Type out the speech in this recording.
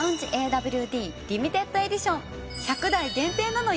１００台限定なのよ！